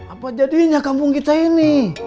apa jadinya kampung kita ini